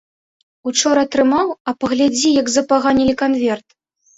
Учора атрымаў, а паглядзі, як запаганілі канверт.